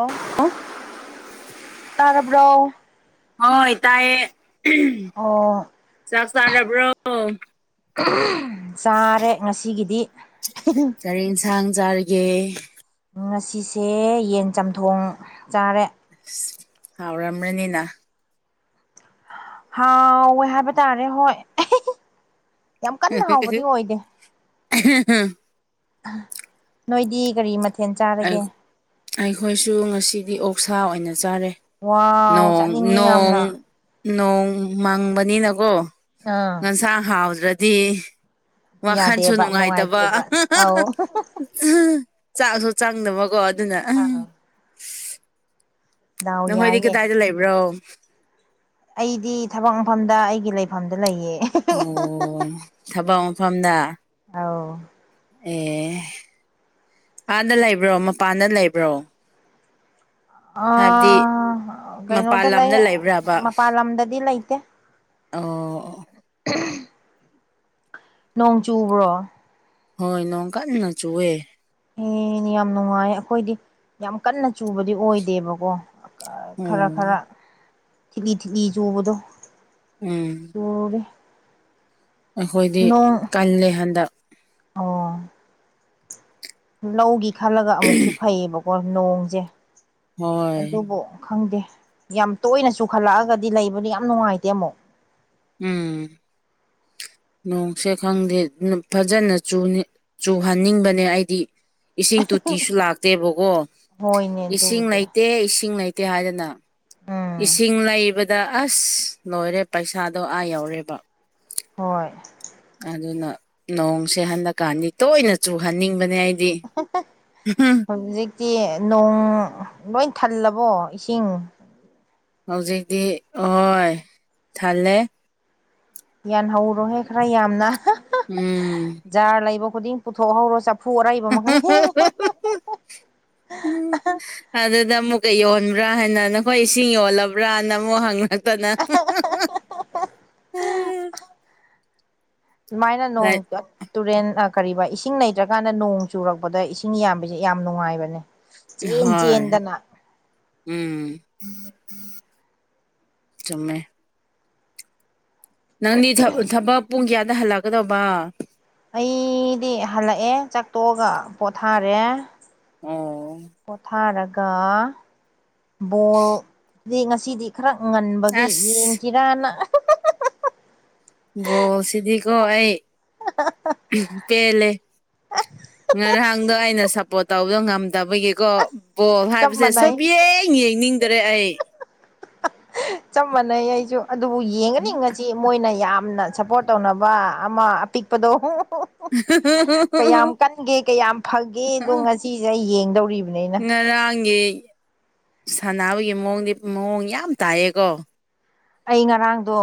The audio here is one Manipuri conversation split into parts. ꯑꯣ ꯇꯥꯔꯕ꯭ꯔꯣ ꯍꯣꯏ ꯇꯥꯏꯌꯦ ꯑꯣ ꯆꯥꯛ ꯆꯥꯔꯕ꯭ꯔꯣ ꯆꯥꯔꯦ ꯉꯁꯤꯒꯤꯗꯤ ꯖꯥꯔꯒꯦ ꯉꯁꯤꯁꯦ ꯌꯦꯟ ꯆꯝꯊꯣꯡ ꯆꯥꯔꯦ ꯍꯥꯎ ꯔꯝ ꯔꯅꯤꯅ ꯍꯥꯥꯎꯋꯦ ꯍꯥꯏꯕ ꯇꯥꯔꯦ ꯍꯣꯢ ꯌꯥꯝ ꯀꯟꯅ ꯍꯥꯎꯕꯗꯤ ꯑꯣꯏꯗꯦ ꯅꯣꯏꯗꯤ ꯀꯔꯤ ꯃꯊꯦꯜ ꯑꯩ ꯆꯥꯔꯒꯦ ꯑꯩꯈꯣꯏꯁꯨ ꯉꯁꯤꯗꯤ ꯑꯣꯛꯁꯥ ꯑꯣꯏꯅ ꯆꯥꯔꯦ ꯋꯥꯎ ꯅꯣꯡ ꯆꯥꯅꯤꯡꯉꯦ ꯅꯣꯡ ꯌꯥꯝꯅ ꯅꯣꯡ ꯃꯪꯕꯅꯤꯅꯀꯣ ꯑꯥ ꯉꯁꯥ ꯍꯥꯎꯗ꯭ꯔꯗꯤ ꯋꯥꯈꯟꯁꯨ ꯌꯥꯗꯦꯕ ꯅꯨꯡꯉꯥꯏꯇꯕ ꯅꯨꯡꯉꯥꯏꯇꯦꯕ ꯑꯧ ꯆꯥꯛꯁꯨ ꯆꯪꯗꯕꯀꯣ ꯑꯗꯨꯅ ꯑꯥ ꯗꯥꯎ ꯅꯈꯣꯏꯗꯤ ꯌꯥꯏꯅꯦ ꯀꯗꯥꯏꯗ ꯂꯩꯕ꯭ꯔꯣ ꯑꯩꯗꯤ ꯊꯕꯛꯃꯪꯐꯝꯗ ꯑꯩꯒꯤ ꯂꯩꯐꯝꯗ ꯂꯩꯌꯦ ꯑꯣ ꯊꯕꯛ ꯃꯐꯝꯗ ꯑꯧ ꯑꯦ ꯍꯥꯟꯗ ꯂꯩꯕ꯭ꯔꯣ ꯃꯄꯥꯟꯗ ꯂꯩꯕ꯭ꯔꯣ ꯑ ꯍꯥꯏꯕꯗꯤ ꯃꯄꯥꯟ ꯀꯩꯅꯣꯗ ꯂꯩ ꯂꯝꯗ ꯂꯩꯕ꯭ꯔꯕ ꯃꯄꯥꯜ ꯂꯝꯗꯗꯤ ꯂꯩꯇꯦ ꯑꯣ ꯅꯣꯡ ꯆꯨꯕ꯭ꯔꯣ ꯍꯣꯏ ꯅꯣꯡ ꯀꯟꯅ ꯆꯨꯋꯦ ꯑꯦ ꯌꯥꯝ ꯅꯨꯡꯉꯥꯏ ꯑꯩꯈꯣꯏꯗꯤ ꯌꯥꯝ ꯀꯟꯅ ꯆꯨꯕꯗꯤ ꯑꯣꯏꯗꯦꯕꯀꯣ ꯈꯔ ꯈꯔ ꯎꯝ ꯊꯤꯠꯂꯤ ꯊꯤꯠꯂꯤ ꯆꯨꯕꯗꯣ ꯎꯝ ꯆꯨꯔꯦ ꯑꯩꯈꯣꯏꯗꯤ ꯅꯣꯡ ꯀꯜꯂꯦ ꯍꯟꯗꯛ ꯑꯣ ꯂꯧꯒꯤ ꯈꯜꯂꯒ ꯑꯃꯨꯛꯁꯨ ꯐꯩꯌꯦꯕꯀꯣ ꯅꯣꯡꯖꯦ ꯍꯣꯏ ꯑꯗꯨꯕꯨ ꯈꯪꯗꯦ ꯌꯥꯝ ꯇꯣꯏꯅ ꯆꯨꯈꯠꯂꯛꯑꯒꯗꯤ ꯂꯩꯕꯗꯤ ꯌꯥꯝ ꯅꯨꯡꯉꯥꯏꯇꯦ ꯑꯃꯨꯛ ꯎꯝ ꯅꯣꯡꯁꯦ ꯈꯪꯗꯦ ꯐꯖꯅ ꯆꯨꯅꯤꯡ ꯆꯨꯍꯟꯅꯤꯡꯕꯅꯦ ꯑꯩꯗꯤ ꯏꯁꯤꯡ ꯇꯣꯇꯤꯁꯨ ꯂꯥꯛꯇꯦꯕꯀꯣ ꯍꯣꯏꯅꯦ ꯏꯁꯤꯡ ꯑꯗꯨꯕꯨꯗꯤ ꯂꯩꯇꯦ ꯏꯁꯤꯡ ꯂꯩꯇꯦ ꯍꯥꯏꯗꯅ ꯎꯝ ꯏꯁꯤꯡ ꯂꯩꯕꯗ ꯑꯁ ꯂꯣꯏꯔꯦ ꯄꯩꯁꯥꯗꯣ ꯑꯥ ꯌꯧꯔꯦꯕ ꯍꯣꯏ ꯑꯗꯨꯅ ꯅꯣꯡꯁꯦ ꯍꯟꯗꯛꯀꯥꯟꯗꯤ ꯇꯣꯏꯅ ꯆꯨꯍꯟꯅꯤꯡꯕꯅꯦ ꯑꯩ ꯍꯧꯖꯤꯛ ꯇꯤ ꯅꯣꯡ ꯂꯣꯏ ꯊꯜꯂꯕꯣ ꯏꯁꯤꯡ ꯍꯧꯖꯤꯛꯇꯤ ꯍꯣꯏ ꯊꯜꯂꯦ ꯌꯥꯟ ꯍꯧꯔꯣꯍꯦ ꯈꯔ ꯌꯥꯝꯅ ꯎꯝ ꯖꯥꯔ ꯂꯩꯕ ꯈꯨꯗꯤꯡ ꯄꯨꯊꯣꯛꯍꯧꯔꯣ ꯆꯐꯨ ꯑꯔꯩꯕ ꯃꯈꯩ ꯗ ꯑꯃꯨꯛꯀ ꯌꯣꯟꯕ꯭ꯔꯥ ꯍꯥꯏꯅ ꯅꯈꯣꯏ ꯏꯁꯤꯡ ꯌꯣꯜꯂꯕ꯭ꯔꯥꯅ ꯑꯃꯨꯛ ꯍꯪꯉꯛꯇꯅ [unintelligible] ꯁꯨꯃꯥꯏꯅ ꯅꯣꯡ ꯇꯨꯔꯦꯟ ꯀꯔꯤꯕꯥ ꯏꯁꯤꯡ ꯂꯩꯇ꯭ꯔꯀꯥꯟꯗ ꯅꯣꯡ ꯆꯨꯔꯛꯄꯗ ꯏꯁꯤꯡ ꯌꯥꯕꯁꯦ ꯌꯥꯝ ꯅꯨꯡꯉꯥꯏꯕꯅꯦ ꯆꯦꯟ ꯍꯣꯏ ꯆꯦꯟꯗꯅ ꯎꯝ ꯆꯨꯝꯃꯦ ꯅꯪꯗꯤ ꯊꯕꯛ ꯄꯨꯡ ꯀꯌꯥꯗ ꯍꯜꯂꯛꯀꯗꯧꯕ ꯑꯩꯗꯤ ꯍꯂꯛꯑꯦ ꯆꯥꯛꯇꯣꯛꯑꯒ ꯄꯣꯊꯥꯔꯦ ꯑꯣ ꯄꯣꯊꯥꯔꯒ ꯕꯣꯜ ꯑ ꯉꯁꯤꯗꯤ ꯈꯔ ꯉꯟꯕꯒꯤ ꯑꯁ ꯌꯦꯡꯁꯤꯔꯅ ꯀꯣ ꯑꯩ ꯄꯦꯜꯂꯦ ꯉꯔꯥꯡ ꯅꯪꯗꯣ ꯑꯩꯅ ꯁꯥꯄ꯭ꯔꯣꯠ ꯇꯧꯕꯗꯣ ꯉꯝꯗꯕꯒꯤꯀꯣ ꯕꯣꯜ ꯆꯞ ꯍꯥꯏꯕꯁꯦ ꯃꯥꯟꯅꯩ ꯁꯨꯛꯌꯦꯡ ꯌꯦꯡꯅꯤꯡꯗꯔꯦ ꯑꯩ ꯆꯞ ꯃꯥꯟꯅꯩ ꯑꯩꯁꯨ ꯑꯗꯨꯕꯨ ꯌꯦꯡꯒꯅꯤ ꯉꯁꯤ ꯃꯣꯏꯅ ꯌꯥꯝ ꯁꯥꯄ꯭ꯔꯣꯠ ꯇꯧꯅꯕ ꯑꯃ ꯑꯄꯤꯛꯄꯗꯣ ꯀꯌꯥꯝ ꯀꯟꯒꯦ ꯀꯌꯥꯝ ꯐꯒꯦ ꯑꯗꯣ ꯉꯁꯤꯁꯦ ꯑꯩ ꯌꯦꯡꯗꯧꯔꯤꯕ ꯉꯔꯥꯡꯒꯤ ꯁꯥꯟꯅꯕꯒꯤ ꯃꯑꯣꯡꯗꯤ ꯃꯑꯣꯡ ꯌꯥꯝ ꯇꯥꯏꯌꯦꯀꯣ ꯑꯩ ꯉꯔꯥꯡꯗꯣ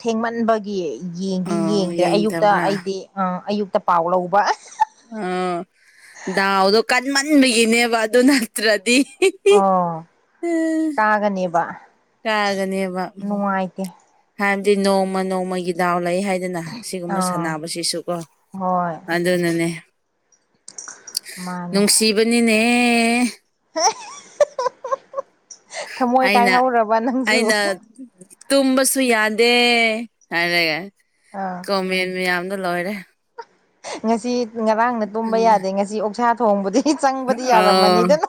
ꯊꯦꯡꯃꯟꯕꯒꯤ ꯌꯦꯡꯗꯤ ꯑꯣ ꯌꯦꯡꯗ꯭ꯔꯦ ꯑꯌꯨꯛꯇ ꯌꯦꯡꯗꯕ꯭ꯔꯥ ꯑꯩꯗꯤ ꯑ ꯑꯌꯨꯛꯇ ꯄꯥꯎ ꯂꯧꯕ ꯑꯁ ꯑꯣ ꯗꯥꯎꯗꯣ ꯀꯟꯃꯟꯕꯒꯤꯅꯦꯕ ꯑꯗꯨ ꯅꯠꯇ꯭ꯔꯗꯤ ꯑꯣ ꯎꯝ ꯀꯥꯒꯅꯦꯕ ꯀꯥꯒꯅꯦꯕ ꯅꯨꯡꯉꯥꯏꯇꯦ ꯅꯣꯡꯃ ꯅꯣꯡꯃꯒꯤ ꯗꯥꯎꯅꯦ ꯂꯩ ꯍꯥꯏꯗꯅ ꯁꯤꯒꯨꯝꯕ ꯑꯥ ꯁꯥꯟꯕꯁꯤꯁꯨ ꯀꯣ ꯍꯣꯏ ꯑꯗꯨꯅꯅꯦ ꯃꯥꯅꯦ ꯅꯨꯡꯁꯤꯕꯅꯤꯅꯦ ꯊꯃꯣꯏ ꯑꯩꯅ ꯀꯥꯏꯍꯧꯔꯕ ꯅꯪꯁꯨ ꯑꯩꯅ ꯇꯨꯝꯕꯁꯨ ꯌꯥꯗꯦ ꯍꯥꯏꯔꯒ ꯑꯥ ꯀꯣꯃꯦꯟ ꯃꯌꯥꯝ ꯗ ꯂꯣꯏꯔꯦ ꯉꯁꯤ ꯉꯔꯥꯡꯅ ꯇꯨꯝꯕ ꯎꯝ ꯌꯥꯗꯦ ꯉꯁꯤ ꯑꯣꯛꯁꯥ ꯊꯣꯡꯕꯗꯤ ꯆꯪꯕꯗꯤ ꯑꯣ ꯌꯥꯔꯝꯃꯅꯤꯗꯅ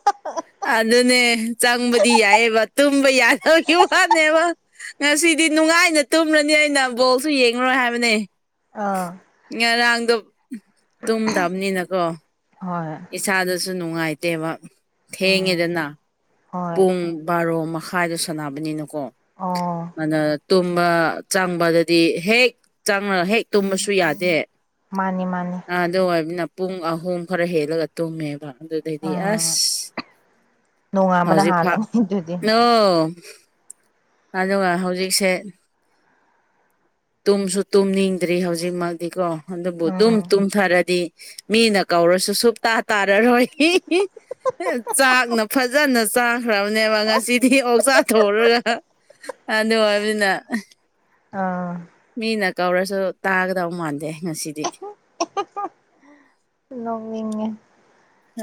ꯑꯗꯨ ꯑꯗꯨꯅꯦ ꯆꯪꯕꯗꯤ ꯌꯥꯏꯕ ꯇꯨꯝꯕ ꯌꯥꯗꯕꯒꯤ ꯋꯥꯅꯦꯕ ꯉꯁꯤꯗꯤ ꯅꯨꯡꯉꯥꯏꯅ ꯇꯨꯝꯂꯅꯤ ꯑꯩꯅ ꯕꯣꯜꯁꯨ ꯌꯦꯡꯉꯔꯣꯏ ꯍꯥꯏꯕꯅꯦ ꯑꯥ ꯉꯔꯥꯡꯗꯣ ꯇꯨꯝꯗꯕꯅꯤꯅꯀꯣ ꯍꯣꯏ ꯏꯁꯥꯗꯁꯨ ꯅꯨꯡꯉꯥꯏꯇꯦꯕ ꯎꯝ ꯊꯦꯡꯉꯦꯗꯅ ꯍꯣꯏ ꯄꯨꯡ ꯕꯥꯔꯣ ꯃꯈꯥꯏꯗ ꯁꯥꯟꯅꯕꯅꯤꯅꯀꯣ ꯑꯣ ꯑꯗꯨꯗ ꯇꯨꯝꯕ ꯆꯪꯕꯗꯗꯤ ꯍꯦꯛ ꯆꯪꯂꯒ ꯍꯦꯛ ꯇꯨꯝꯕꯁꯨ ꯌꯥꯗꯦ ꯃꯥꯅꯤ ꯃꯥꯅꯤ ꯑꯗꯨ ꯑꯣꯏꯕꯅ ꯄꯨꯡ ꯑꯍꯨꯝ ꯈꯔ ꯍꯦꯜꯂꯒ ꯇꯨꯝꯃꯦꯕ ꯑꯗꯨꯗꯗꯤ ꯎꯝ ꯑꯁ ꯅꯣꯡꯉꯥꯟꯕꯅ ꯍꯧꯖꯤꯛ ꯐꯥꯎ ꯍꯥꯜꯂꯅꯤ ꯑꯗꯨꯗꯤ ꯅꯣꯡ ꯑꯗꯨꯒ ꯍꯧꯖꯤꯛꯁꯦ ꯇꯨꯝꯁꯨ ꯇꯨꯝꯅꯤꯡꯗ꯭ꯔꯤ ꯍꯧꯖꯤꯛꯃꯛꯇꯤ ꯀꯣ ꯑꯗꯨꯕꯨ ꯑꯗꯨꯝ ꯎꯝ ꯇꯨꯝꯊꯔꯗꯤ ꯃꯤꯅ ꯀꯧꯔꯁꯨ ꯁꯨꯨꯞꯇꯥ ꯇꯥꯔꯔꯣꯏ ꯆꯥꯛꯅ ꯐꯖꯅ ꯆꯥꯈ꯭ꯔꯕꯅꯦꯕ ꯉꯁꯤꯗꯤ ꯑꯣꯛꯁ ꯊꯣꯡꯉꯒ ꯑꯗꯨ ꯑꯣꯏꯕꯅ ꯑꯥ ꯃꯤꯅ ꯀꯧꯔꯁꯨ ꯇꯥꯒꯗꯧ ꯃꯥꯟꯗꯦ ꯉꯁꯤꯗꯤ ꯅꯣꯛꯅꯤꯡꯉꯦ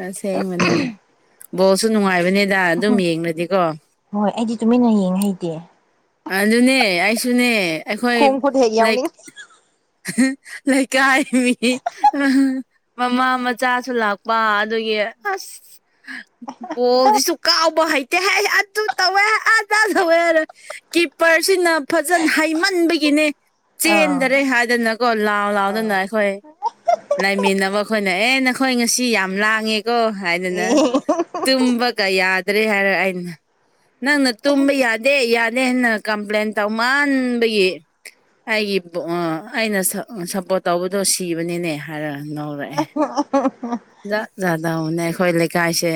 ꯑꯁꯦꯡꯕꯅꯤꯅꯦ ꯕꯣꯜꯁꯨ ꯅꯨꯡꯉꯥꯏꯕꯅꯦꯗ ꯑꯗꯨꯝ ꯌꯦꯡꯔꯗꯤꯀꯣ ꯍꯣꯏ ꯑꯩꯗꯤ ꯇꯨꯃꯤꯟꯅ ꯌꯦꯡꯉ ꯍꯩꯇꯦ ꯑꯗꯨꯅꯦ ꯑꯩꯁꯨꯅꯦ ꯑꯩꯈꯣꯏ ꯈꯣꯡ ꯈꯨꯠ ꯍꯦꯛ ꯂꯩ ꯌꯥꯎꯅꯤꯡ ꯂꯩꯀꯥꯏ ꯃꯤ ꯃꯃꯥ ꯃꯆꯥꯁꯨ ꯂꯥꯛꯄ ꯑꯗꯨꯒꯤ ꯑꯁ ꯕꯣꯜꯁꯤꯁꯨ ꯀꯥꯎꯕ ꯍꯩꯇꯦ ꯍꯥꯏ ꯑꯗꯨ ꯇꯧꯋꯦ ꯑꯗꯥꯥ ꯇꯧꯋꯦ ꯍꯥꯏꯅ ꯀꯤꯞꯄꯔꯁꯤꯅ ꯐꯖꯟ ꯍꯩꯃꯟꯕꯒꯤꯅꯦ ꯑꯥ ꯆꯦꯟꯗ꯭ꯔꯦ ꯍꯥꯏꯗꯅ ꯀꯣ ꯂꯥꯎ ꯂꯥꯎꯗꯅ ꯑꯥ ꯑꯩꯈꯣꯏ ꯂꯩꯥꯏꯃꯤꯟꯅꯕ ꯑꯈꯣꯏꯅ ꯑꯦ ꯅꯈꯣꯏ ꯉꯁꯤ ꯌꯥꯝ ꯂꯥꯡꯉꯦꯀꯣ ꯍꯥꯏꯗꯅ ꯑꯦ ꯇꯨꯝꯕꯒ ꯌꯥꯗ꯭ꯔꯦ ꯍꯥꯏꯔ ꯑꯩꯅ ꯅꯪꯅ ꯇꯨꯝꯕ ꯌꯥꯗꯦ ꯌꯥ ꯍꯦꯟꯅ ꯀꯝꯄ꯭ꯂꯦꯟ ꯇꯧ ꯃꯥꯟꯕꯒꯤ ꯑꯩꯒꯤ ꯑꯩꯅ ꯁ ꯁꯞꯄꯣꯔꯠ ꯇꯧꯕꯗꯣ ꯁꯤꯕꯅꯤꯅꯦ ꯍꯥꯏꯔ ꯂꯧꯔꯦ [unintelligible] [unintelligible] ꯈꯣꯏ ꯂꯩꯀꯥꯏꯁꯦ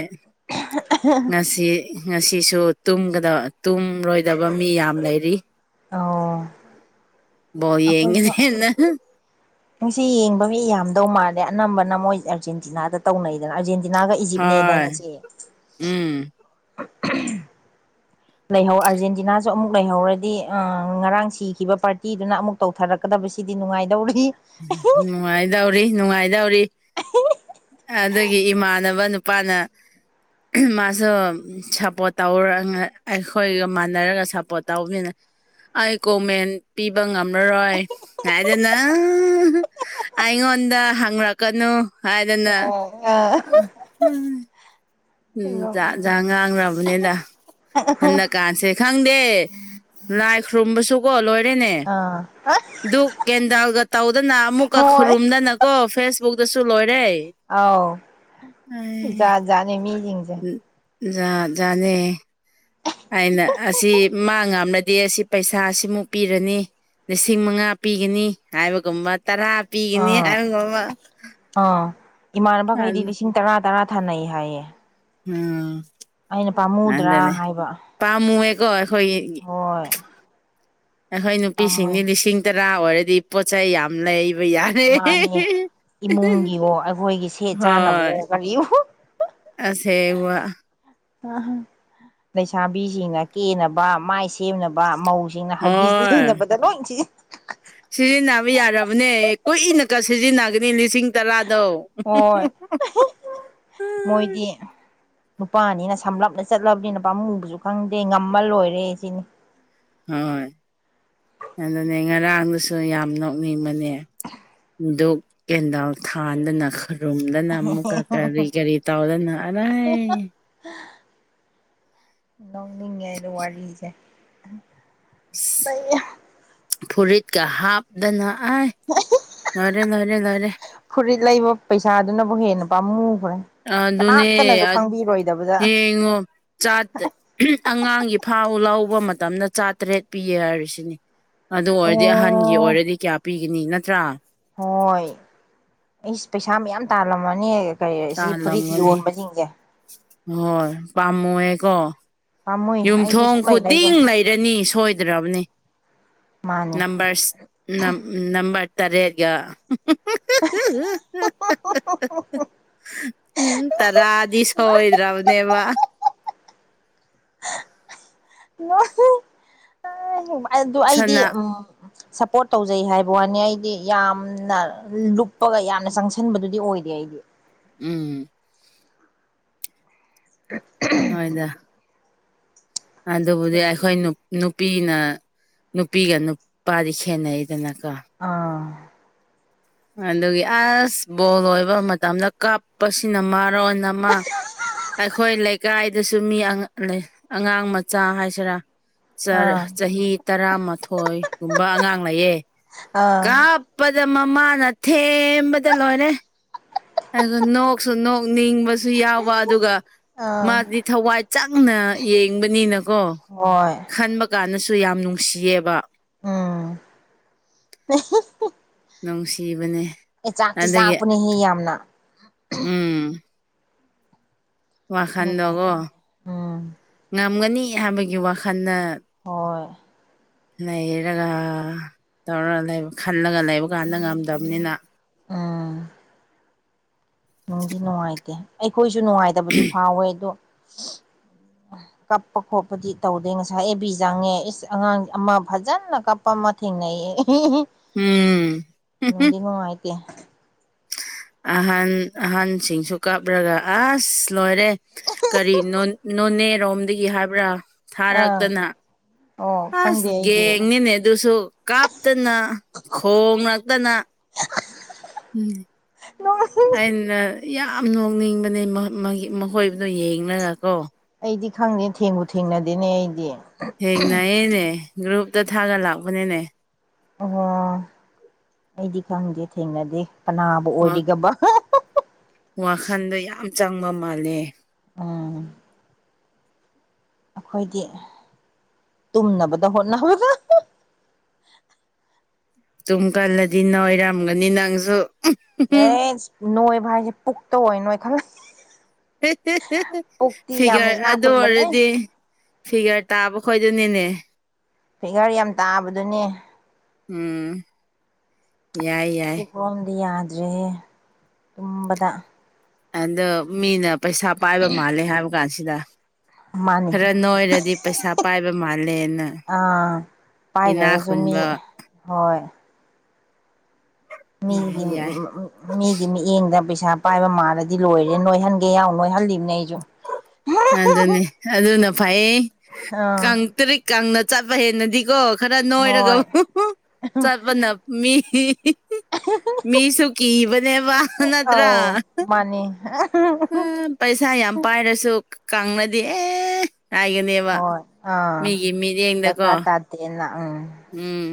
ꯉꯁꯤ ꯉꯁꯤꯁꯨ ꯇꯨꯝꯒꯗ ꯇꯨꯝꯔꯣꯏꯗꯕ ꯃꯤ ꯌꯥꯝ ꯂꯩꯔꯤ ꯑꯧ [inaudible] ꯑꯈꯣꯏꯁꯨ ꯌꯦꯡꯒꯅꯦꯅ ꯉꯁꯤ ꯌꯦꯡꯕ ꯃꯤ ꯌꯥꯝꯗꯧ ꯃꯥꯜ ꯑꯗꯩ ꯑꯅꯝꯕꯅ ꯃꯣꯏ ꯑꯔꯖꯦꯟꯇꯤꯅꯥꯗ ꯇꯧꯅꯩ ꯑꯥꯔꯖꯦꯟꯇꯤꯅꯥꯒ ꯏꯖꯤꯞꯅꯦꯗꯥꯏ ꯍꯣꯏ ꯉꯁꯤ ꯎꯝ ꯂꯩꯍꯧ ꯑꯥꯔꯖꯦꯟꯇꯤꯅꯥꯁꯨ ꯑꯃꯨꯛ ꯂꯩꯍꯧꯔꯗꯤ ꯉꯔꯥꯡ ꯁꯤꯈꯤꯕ ꯄꯥꯔꯇꯤꯗꯨꯅ ꯑꯃꯨꯛ ꯇꯧꯊꯔꯛꯀꯗ ꯁꯤꯗꯤ ꯅꯨꯡꯉꯥꯏꯗꯧꯔꯤ ꯅꯨꯉꯥꯏꯗꯧꯔꯤ ꯅꯨꯡꯉꯥꯏꯗꯧꯔꯤ [unintelligible] ꯑꯥꯗꯒꯤ ꯏꯃꯥꯟꯅꯕ ꯅꯨꯄꯥꯅ ꯃꯥꯁꯨ ꯁꯞꯄꯣꯔꯠ ꯇꯧꯔ ꯑꯩꯈꯣꯏꯒ ꯃꯥꯟꯅꯔꯒ ꯁꯞꯄꯣꯔꯠ ꯇꯧꯕꯅꯤꯅ ꯑꯩ ꯀꯣꯃꯦꯟ ꯄꯤꯕ ꯉꯝꯃꯔꯣꯏ ꯍꯥꯏꯗꯅ ꯑꯩꯉꯣꯟꯗ ꯍꯪꯔꯛꯀꯅꯨ ꯍꯥꯏꯗꯅ ꯑ ꯎꯝꯥ ꯖꯥꯠ ꯖꯥꯠ ꯉꯥꯡꯈ꯭ꯔꯕꯅꯤꯅ ꯍꯟꯗꯛꯀꯥꯟꯁꯦ ꯈꯪꯗꯦ ꯂꯥꯏ ꯈꯨꯔꯨꯝꯕꯁꯨꯀꯣ ꯂꯣꯏ ꯑꯥ [unintelligible] ꯀꯦꯟꯗꯜꯒ ꯇꯧꯗꯅ ꯑꯃꯨꯛꯀ ꯍꯣꯏ ꯈꯨꯔꯨꯝꯗꯅ ꯀꯣ ꯐꯦꯁꯕꯨꯛꯇꯁꯨ ꯂꯣꯏꯔꯦ ꯑꯧ ꯖꯥꯠ ꯖꯥꯠꯅꯦ ꯃꯤꯁꯤꯡ ꯎꯝ ꯖꯥꯠ ꯖꯥꯠꯅꯦ ꯍꯥꯏꯅ ꯑꯁꯤ ꯃꯥ ꯉꯝꯂꯗꯤ ꯑꯁꯤ ꯄꯩꯁꯥ ꯁꯤꯃꯨꯛ ꯄꯤꯔꯅꯤ ꯂꯤꯁꯤꯡ ꯃꯉꯥ ꯄꯤꯒꯅꯤ ꯍꯥꯏꯕꯒꯨꯝꯕ ꯇꯔꯥ ꯄꯤꯒꯅꯤ ꯑꯥ ꯍꯥꯏꯒꯨꯝꯕ ꯑꯥ ꯏꯃꯥꯟꯅꯕꯈꯩꯗꯤ ꯂꯤꯁꯤꯡ ꯇꯔꯥ ꯇꯔꯥ ꯊꯥꯅꯩ ꯍꯥꯏꯌꯦ ꯎꯝ ꯑꯩꯅ ꯄꯥꯝꯃꯨꯗ꯭ꯔꯥ ꯑꯗꯅꯦ ꯍꯥꯏꯕ ꯄꯥꯝꯃꯨꯑꯦꯀꯣ ꯑꯈꯣꯏꯒꯤ ꯍꯣꯏ ꯑꯩꯈꯣꯏ ꯄꯥꯝꯃꯨꯏ ꯅꯨꯄꯤꯁꯤꯡꯗꯤ ꯂꯤꯁꯤꯡ ꯇꯔꯥ ꯑꯣꯏꯔꯗꯤ ꯄꯣꯠꯆꯩ ꯌꯥꯝ ꯂꯩ ꯕ ꯌꯥꯔꯦ ꯃꯥꯅꯦ [unintelligible] ꯏꯃꯨꯡꯒꯤꯋꯣ ꯑꯩꯈꯣꯏꯒꯤ ꯁꯦꯠ ꯍꯣꯏ ꯆꯥꯅꯕꯋꯣ ꯀꯔꯤ ꯑꯁꯦꯡꯕ ꯑ ꯂꯩꯁꯥꯕꯤꯁꯤꯡꯅ ꯀꯦꯅꯕ ꯃꯥꯏ ꯁꯦꯝꯅꯕ ꯃꯧ ꯁꯤꯡꯅ ꯍꯒꯤꯁ ꯍꯣꯏ ꯂꯩꯅꯕꯗ ꯂꯣꯏ ꯁꯤꯖꯤꯟꯅꯩ ꯁꯤꯖꯤꯟꯅꯕ ꯌꯥꯔꯕꯅꯦ ꯀꯨꯏꯅ ꯀ ꯁꯤꯖꯤꯟꯅꯒꯅꯤ ꯂꯤꯁꯤꯡ ꯇꯔꯥ ꯑꯗꯣ ꯍꯣꯏ ꯎꯝ ꯃꯣꯏꯗꯤ ꯅꯨꯄꯥꯅꯤꯅ ꯁꯝꯂꯞꯅ ꯆꯠꯂꯕꯅꯤ ꯄꯥꯃꯨꯕꯁꯨ ꯈꯪꯗꯦ ꯉꯝꯃ ꯂꯣꯏꯔꯦ ꯁꯤꯅꯤ ꯍꯣꯏ ꯑꯗꯨꯅꯦ ꯉꯔꯥꯡꯗꯨꯁꯨ ꯌꯥꯝ ꯅꯣꯛꯅꯤꯡꯕꯅꯦ ꯙꯨꯛ ꯀꯦꯟꯗꯜ ꯊꯥꯟꯗꯅ ꯈꯨꯔꯨꯝꯗꯅ ꯑꯃꯨꯛꯀ ꯀꯔꯤ ꯀꯔꯤ ꯇꯧꯗꯅ ꯑꯔꯥꯏ ꯅꯣꯛꯅꯤꯉꯦꯗ ꯋꯥꯔꯤꯁꯦ ꯇꯌꯥ [unintelligible] ꯀꯞ ꯗꯅꯥꯑ ꯂꯣꯏꯔꯦ ꯂꯣꯏꯔꯦ ꯐꯃꯨꯡ ꯑ ꯑꯗꯨꯅꯦ ꯌꯦꯡꯉꯣ ꯆꯥ ꯑꯉꯥꯡꯒꯤ ꯐꯥꯎ ꯂꯥꯎ ꯂꯧꯕ ꯃꯇꯝꯗ ꯆꯥꯇꯔꯦꯠ ꯄꯤꯌꯦ ꯍꯥꯏꯔꯤꯁꯤꯅꯦ ꯑꯗꯨ ꯑꯣꯏꯔꯗꯤ ꯑꯍꯟꯒꯤ ꯑꯣ ꯑꯣꯏꯔꯗꯤ ꯀꯌꯥ ꯄꯤ ꯒꯤꯅꯤ ꯅꯠꯇ꯭ꯔꯥ ꯍꯣꯏ ꯑꯩ ꯄꯩꯁꯥ ꯃꯌꯥꯝ ꯇꯥꯜꯂꯝꯃꯅꯤ ꯀꯩ ꯑꯁꯤ ꯐꯨꯔꯤꯠ ꯇꯥꯍꯜꯂꯝꯒꯅꯤ ꯌꯣꯟꯕꯁꯤꯡꯁꯦ ꯍꯣꯏ ꯄꯥꯝꯃꯨꯔꯦ ꯀꯣ ꯄꯥꯝꯃꯨꯏ ꯑꯩꯗꯤ ꯌꯨꯝꯊꯣꯡ ꯁꯨꯛꯂꯩ ꯈꯨꯗꯤꯡ ꯂꯩꯔꯣꯏ ꯂꯩꯔꯅꯤ ꯁꯣꯏꯗ꯭ꯔꯕꯅꯤ ꯃꯥꯅꯦ ꯅꯝꯕꯔꯁ ꯅꯝꯕꯔ ꯇꯔꯦꯠꯒ [unintelligible] ꯎꯝ ꯇꯔꯥꯗꯤ ꯁꯣꯏꯗ꯭ꯔꯕꯅꯦꯕ ꯑꯗꯨ ꯑꯩꯗꯤ ꯁꯅ ꯎꯝ ꯁꯄ꯭ꯔꯣꯠ ꯇꯧꯖꯩ ꯍꯥꯏꯕ ꯋꯥꯅꯤ ꯑꯩꯗꯤ ꯌꯥꯝꯅ ꯂꯨꯞꯄꯒ ꯌꯥꯝꯅ ꯆꯪꯁꯟꯕꯗꯨꯗꯤ ꯑꯣꯏꯗꯦ ꯑꯩꯒꯤ ꯎꯝ ꯍꯣꯏꯗ ꯑꯗꯨꯕꯨꯗꯤ ꯑꯩꯈꯣꯏ ꯅꯨꯄꯤꯅ ꯅꯨꯄꯤꯒ ꯅꯨꯄꯥꯗꯤ ꯈꯦꯠꯅꯩ ꯑꯗꯨꯅꯦꯀꯣ ꯑꯥ ꯑꯗꯨꯒꯤ ꯑꯁ ꯕꯣꯜ ꯑꯣꯏꯕ ꯃꯇꯝꯗ ꯀꯥꯞꯄꯁꯤꯅ ꯃꯥ ꯑꯃ ꯑꯩꯈꯣꯏ ꯂꯩꯀꯥꯏ ꯑꯗꯨꯗꯁꯨ ꯃꯤ ꯂꯩ ꯑꯉꯥꯡ ꯃꯆꯥ ꯍꯥꯏꯁꯤꯔꯥ ꯑꯥ ꯆꯍꯤ ꯇꯔꯥꯃꯥꯊꯣꯏꯒꯨꯝꯕ ꯑꯉꯥꯡ ꯂꯩꯌꯦ ꯑꯥ ꯀ [unintelligible] ꯑꯗꯨꯗ ꯃꯃꯥꯅ ꯊꯦꯝꯕꯗ ꯂꯣꯏꯔꯦ ꯑ ꯅꯣꯛꯁꯨ ꯅꯣꯛ ꯅꯤꯡꯕꯁꯨ ꯑꯗꯨꯁꯨ ꯌꯥꯎꯕ ꯑꯗꯨꯒ ꯑꯥ ꯃꯥꯗꯤ ꯊꯋꯥꯏ ꯆꯪꯅ ꯌꯦꯡꯕꯅꯤꯅꯀꯣ ꯍꯣꯏ ꯈꯟꯕ ꯀꯥꯟꯗꯁꯨ ꯌꯥꯝ ꯅꯨꯡꯁꯤꯌꯦꯕ ꯎꯝ ꯅꯨꯡꯁꯤꯕꯅꯦ ꯑꯦ ꯆꯥꯛꯇꯤ ꯑꯗꯒꯤ ꯆꯥꯛꯄꯅꯦꯍꯦ ꯌꯝꯅ ꯎꯝ ꯋꯥꯈꯜꯗꯣꯒꯣ ꯅꯨꯡꯉꯥꯏꯇꯕꯅꯦ ꯎꯝ ꯉꯝꯒꯅꯤ ꯍꯥꯏꯕꯒꯤ ꯋꯥꯈꯜꯅ ꯍꯣꯏ ꯂꯩꯔꯒꯥ ꯇꯧꯔ ꯂꯩꯕ ꯈꯜꯂꯒ ꯂꯩꯕ ꯀꯥꯟꯗ ꯉꯝꯗꯕꯅꯤꯅ ꯑꯥꯑꯪ ꯅꯨꯡꯗꯤ-ꯅꯨꯡꯉꯥꯏꯇꯦ ꯑꯩꯈꯣꯏꯖꯨ ꯅꯨꯡꯉꯥꯏꯇꯕꯗꯤ ꯐꯥꯎꯋꯦꯗꯣ INAUDIBLE ꯀꯞꯄ- ꯈꯣꯠꯄꯗꯤ ꯇꯧꯗꯦ ꯉꯁꯥꯏ ꯑꯦꯕꯤ ꯆꯥꯡꯉꯦ ꯏꯁ ꯑꯉꯥꯡ ꯑꯃ ꯐꯖꯅꯀꯞꯄ ꯑꯃ ꯊꯦꯡꯅꯩꯌꯦ ꯏꯍꯦ-ꯏꯍꯤꯡ ꯎꯝ ꯅꯨꯡꯗꯤ-ꯅꯨꯡꯉꯥꯏꯇꯦ ꯑꯍꯟ ꯑꯍꯟꯁꯤꯡꯁꯨ ꯀꯥꯞꯔꯒ ꯑꯥꯁ ꯂꯣꯏꯔꯦ ꯀꯔꯤꯅꯣ ꯅꯣꯅꯦꯔꯣꯝꯗꯒꯤ ꯍꯥꯏꯕ꯭ꯔꯥ ꯑꯥ ꯊꯥꯔꯛꯇꯅ ꯑꯣ ꯑꯥꯁ ꯈꯪꯗꯦ ꯑꯩꯗꯤ ꯒꯦꯡꯅꯤꯅꯦ ꯑꯗꯨꯁꯨ ꯀꯥꯞꯇꯥꯅ- ꯈꯣꯡꯂꯛꯇꯥꯅ꯭ ꯎꯪꯝ ꯑꯩꯅ ꯌꯥꯝ ꯅꯣꯛꯅꯤꯡꯕꯅꯦ ꯃꯥꯒꯤ ꯃꯈꯣꯏꯗꯣ ꯌꯦꯡꯅꯔꯀꯣ ꯑꯩꯗꯤ ꯈꯪꯗꯦ ꯊꯦꯡꯕꯨ- ꯊꯦꯡꯅꯗꯦꯅꯦ ꯑꯩꯗꯤ ꯊꯦꯡꯅꯩꯌꯦꯅꯦ ꯒ꯭ꯔꯨꯞꯇ ꯊꯥꯒ ꯂꯥꯛꯄꯅꯦꯅꯦ ꯑꯣꯍꯣ ꯑꯩꯗꯤ ꯈꯪꯗꯦ ꯊꯦꯡꯅꯗꯦ ꯀꯅꯥꯕꯨ ꯑꯣꯏꯔꯤꯒꯕ ꯑꯥꯍꯥ ꯋꯥꯈꯜꯗ ꯌꯥꯝꯆꯪꯕ ꯃꯥꯜꯂꯦ ꯑꯣꯡꯑꯣꯡ ꯑꯩꯈꯣꯏꯗꯤ ꯇꯨꯝꯅꯕꯗ ꯍꯣꯠꯅꯕꯗ ꯑꯥꯍ ꯍꯥ ꯇꯨꯝꯒꯜꯂꯗꯤ ꯅꯣꯏꯔꯝꯒ ꯅꯤ ꯅꯪꯖꯨ ꯅꯣꯏꯕ ꯍꯥꯏꯖꯦ ꯄꯨꯛꯇ ꯑꯣꯏ ꯅꯣꯏꯈꯠꯂ ꯄꯨꯛꯇꯤ ꯌꯥꯝꯅ ꯐꯤꯒꯔ ꯏꯅꯥꯛ ꯑꯗꯨ ꯑꯣꯏꯔ ꯈꯨꯟꯕꯅꯦ ꯗꯤ ꯐꯤꯒꯔ ꯇꯥꯕꯨ ꯍꯣꯏꯗꯨꯅꯤꯅꯦ ꯐꯤꯒꯔ ꯌꯥꯝ ꯇꯥꯕꯗꯨꯅꯦ ꯎꯪꯎꯪ ꯄꯨꯛꯂꯣꯝꯗꯤ ꯌꯥꯗ꯭ꯔꯦꯍꯦ ꯇꯨꯝꯕꯗ ꯑꯥꯗꯣ ꯃꯤꯅ ꯄꯩꯁꯥ-ꯄꯥꯏꯕ ꯃꯥꯜꯂꯦ ꯍꯥꯏꯕ ꯀꯥꯟꯁꯤꯗ ꯃꯥꯅꯤ ꯈꯔ ꯅꯣꯏꯔꯗꯤ ꯄꯩꯁꯥ -ꯄꯥꯏꯕ ꯃꯥꯜꯂꯦꯅ ꯏꯅꯥ ꯄꯥꯏꯗ꯭ꯔꯒꯖꯨ ꯃꯤ ꯈꯨꯟꯕ ꯍꯣꯏ ꯃꯤꯒꯤ ꯃꯝ ꯌꯥꯏ ꯑꯥ ꯃꯤꯠꯌꯦꯡꯗ ꯄꯩꯁꯥ ꯄꯥꯏꯕ ꯃꯥꯜꯂꯗꯤ ꯗꯤ ꯂꯣꯏꯔꯦ ꯅꯣꯏꯍꯟꯒꯦ ꯌꯥꯎ ꯅꯣꯏꯍꯜꯂꯤꯕ ꯑꯗꯨꯅꯦꯑꯗꯨ ꯅ ꯐꯩꯌꯦ ꯑꯥ ꯀꯪꯇ꯭ꯔꯤꯛ ꯀꯪꯅ ꯆꯠꯄ ꯍꯦꯟꯅꯗꯤꯀꯣ ꯈꯔ ꯅꯣꯏꯔꯒ ꯍꯣꯏ ꯍꯨ ꯍꯨ ꯆꯠꯄꯅ ꯃꯤꯍꯤꯍꯤ ꯃꯤꯁꯨ ꯀꯤꯕꯅꯦꯕ ꯍꯥ ꯅꯠꯇ꯭ꯔꯥ ꯑꯧ ꯃꯥꯅꯤ ꯍꯥꯑꯥ ꯄꯩꯁꯥ ꯌꯥꯝ ꯄꯥꯏꯔꯁꯨ ꯀꯥꯡꯅ ꯗꯤ ꯑꯦ ꯍꯥꯏꯒꯅꯦꯕ ꯍꯣꯏ ꯑꯥ ꯃꯤꯒꯤ-ꯃꯤꯠꯌꯦꯡꯗ ꯀꯣ ꯗꯔꯀꯥꯔ ꯇꯥꯗꯦꯅ ꯎꯝ ꯎꯝ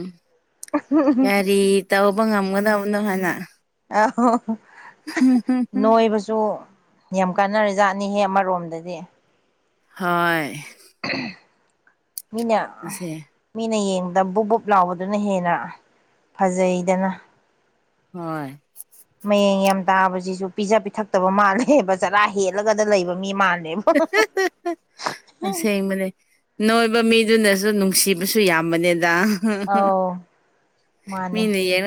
ꯀꯔꯤ ꯇꯧꯕ ꯉꯝꯒꯗꯕꯅꯣ ꯍꯥꯏꯅ ꯑꯥꯍꯨ ꯑꯥꯍꯨ ꯅꯣꯏꯕꯖ ꯌꯥꯝ ꯀꯥꯟꯅꯔꯖꯥꯠ ꯑꯅꯤ ꯍꯦꯛ ꯑꯃꯔꯣꯝꯗꯗꯤ ꯍꯣꯏ ꯃꯤꯅ ꯑꯁꯦ ꯃꯤꯅ ꯌꯦꯡꯉ ꯗꯥ ꯕꯨꯛ ꯕꯨꯛ ꯂꯥꯎꯕꯗꯨꯅ ꯍꯦꯟꯅ ꯐꯖꯩꯗꯅ ꯍꯣꯏ ꯃꯌꯦꯡ ꯌꯥꯝ ꯇꯥꯕꯖꯤꯖꯨꯁꯨ ꯄꯤꯖ-ꯄꯤꯊꯛꯇꯕ ꯃꯥꯜꯂꯦꯕ ꯆꯔꯥ ꯍꯦꯜꯂꯒꯗ ꯂꯩꯕ ꯃꯤ ꯃꯥꯜꯂꯦ ꯇꯁꯦꯡꯕꯅꯦ ꯅꯣꯢꯕ ꯃꯤꯗꯨꯅꯁꯨ ꯅꯨꯡꯁꯤꯕꯁꯨ ꯌꯥꯝꯕꯅꯦ ꯗ [unintelligible] ꯑꯧ ꯃꯥꯅꯦ ꯃꯤꯅ ꯌꯦ